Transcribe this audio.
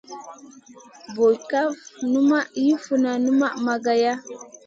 Burkaf numa yi funa numa mageya.